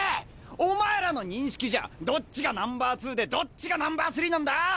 お前らの認識じゃどっちがＮｏ．２でどっちがＮｏ．３なんだ？